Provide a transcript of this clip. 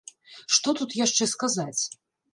Што тут яшчэ сказаць?